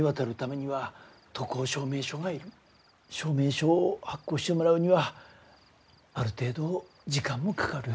証明書を発行してもらうにはある程度時間もかかる。